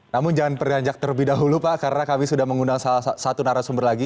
namun jangan beranjak terlebih dahulu pak karena kami sudah mengundang salah satu narasumber lagi